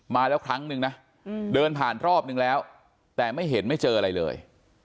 มาแล้วครั้งนึงนะเดินผ่านรอบนึงแล้วแต่ไม่เห็นไม่เจออะไรเลย